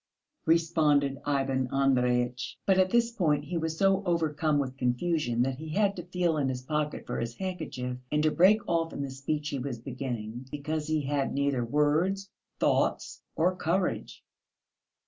responded Ivan Andreyitch. But at this point he was so overcome with confusion that he had to feel in his pocket for his handkerchief and to break off in the speech he was beginning, because he had neither words, thoughts or courage....